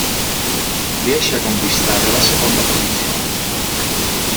Riesce a conquistare la seconda posizione.